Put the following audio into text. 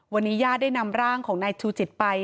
วันนี้ญาติได้นำร่างของนายชูจิตไป